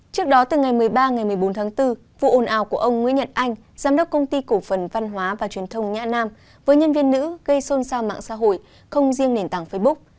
trước đó từ ngày một mươi ba ngày một mươi bốn tháng bốn vụ ồn ào của ông nguyễn nhật anh giám đốc công ty cổ phần văn hóa và truyền thông nhã nam với nhân viên nữ gây xôn xao mạng xã hội không riêng nền tảng facebook